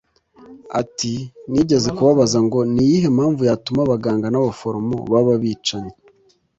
Ati “Nigeze kubabaza ngo ni iyihe mpamvu yatuma abaganga n’ abaforomo baba abicanyi